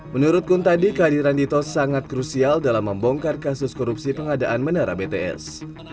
menurut kuntadi kehadiran dito sangat krusial dalam membongkar kasus korupsi pengadaan menara bts